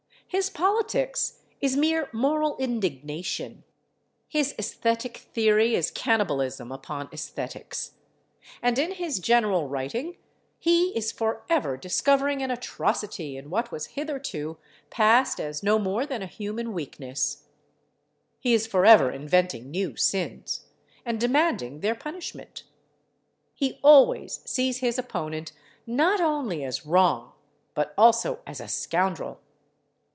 His politics is mere moral indignation. His æsthetic theory is cannibalism upon æsthetics. And in his general writing he is forever discovering an atrocity in what was hitherto passed as no more than a human weakness; he is forever inventing new sins, and demanding their punishment; he always sees his opponent, not only as wrong, but also as a scoundrel.